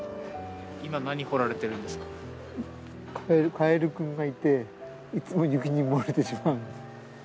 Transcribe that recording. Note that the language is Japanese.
カエルくんがいていつも雪に埋もれてしまうんです。